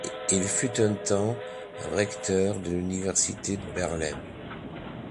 Il fut un temps recteur de l'université de Berlin.